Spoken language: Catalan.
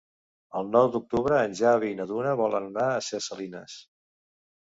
El nou d'octubre en Xavi i na Duna volen anar a Ses Salines.